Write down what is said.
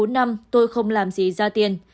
ba bốn năm tôi không làm gì ra tiền